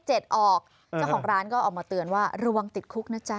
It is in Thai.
เจ้าของร้านก็ออกมาเตือนว่าระวังติดคุกนะจ๊ะ